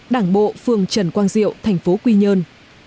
đảng bộ phường trần quang diệu thành phố quy nhơn